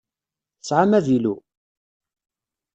Tesɛam avilu?